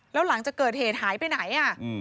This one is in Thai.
แล้วหลังจากเกิดเหตุหายไปไหน